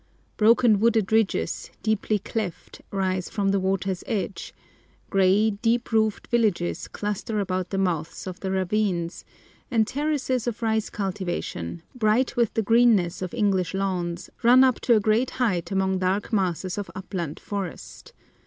Broken wooded ridges, deeply cleft, rise from the water's edge, gray, deep roofed villages cluster about the mouths of the ravines, and terraces of rice cultivation, bright with the greenness of English lawns, run up to a great height among dark masses of upland forest.